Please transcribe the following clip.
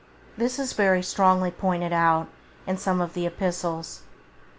This is very strongly pointed out in some of the Epistles.